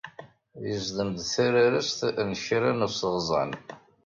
Yezdem-d tararast n kra n useɣẓan.